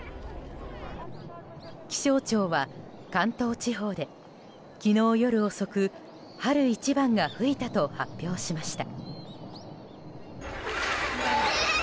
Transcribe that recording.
気象庁は関東地方で昨日夜遅く春一番が吹いたと発表しました。